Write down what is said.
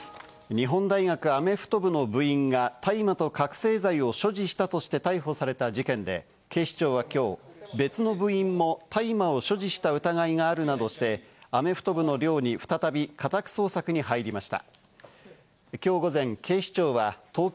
日本大学アメフト部の部員が大麻と覚せい剤を所持したとして逮捕された事件で、警視庁はきょう別の部員も大麻を所持した疑いがあるなどしてアメフト部の寮に再び家宅捜索に入りました。